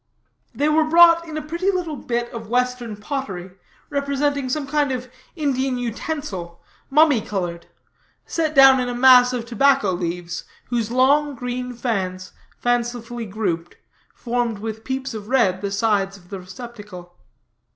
They were brought in a pretty little bit of western pottery, representing some kind of Indian utensil, mummy colored, set down in a mass of tobacco leaves, whose long, green fans, fancifully grouped, formed with peeps of red the sides of the receptacle.